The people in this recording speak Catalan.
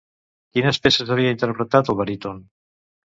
Quines peces havia interpretat el baríton?